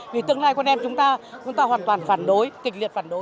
vì tương lai con em chúng ta chúng ta hoàn toàn phản đối kịch liệt phản đối